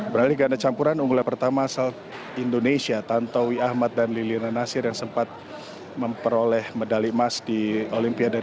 beralih ganda campuran unggulan pertama asal indonesia tantowi ahmad dan lilina nasir yang sempat memperoleh medali emas di olimpiade dua ribu